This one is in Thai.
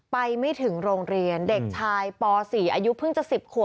ไปไม่ถึงโรงเรียนเด็กชายป๔อายุเพิ่งจะ๑๐ขวบ